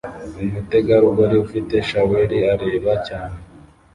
Umutegarugori ufite shaweli arareba cyane